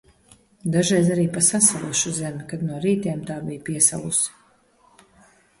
Dažreiz arī pa sasalušu zemi, kad no rītiem tā bija piesalusi.